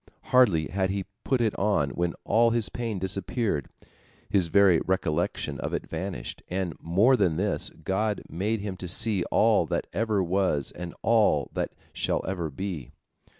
Hardly had he put it on when all his pain disappeared, his very recollection of it vanished, and, more than this, God made him to see all that ever was and all that shall ever be.